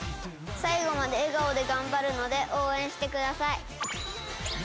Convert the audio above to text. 最後まで笑顔で頑張るので応援してください。